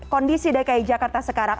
kondisi dki jakarta sekarang